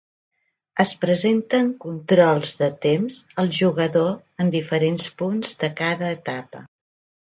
Es presenten controls de temps al jugador en diferents punts de cada etapa.